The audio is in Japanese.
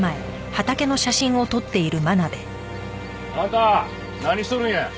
あんた何しとるんや？